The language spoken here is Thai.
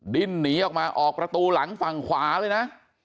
ดิ้นหนีออกมาออกประตูหลังฝั่งขวาเลยนะ